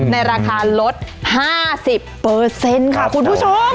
ในราคาลด๕๐ค่ะคุณผู้ชม